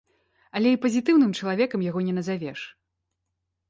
Але і пазітыўным чалавекам яго не назавеш.